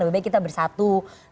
lebih baik kita berjalan